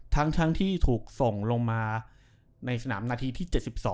ทั้งที่ถูกส่งลงมาในสนามนาทีที่๗๒